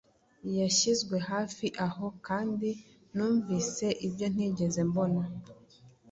Yashyizwe hafi aho kandi numvise ibyo ntigeze mbona